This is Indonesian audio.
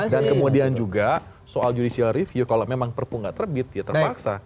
dan kemudian juga soal judicial review kalau memang perpu tidak terbit dia terpaksa